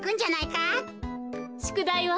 しゅくだいは？